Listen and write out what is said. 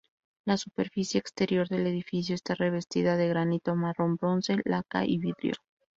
La superficie exterior del edificio está revestida de granito marrón, bronce, laca y vidrio.